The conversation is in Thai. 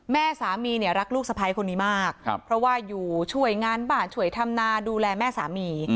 แม่สามีเนี่ยรักลูกสะพ้ายคนนี้มากเพราะว่าอยู่ช่วยงานบ้านช่วยทำนาดูแลแม่สามี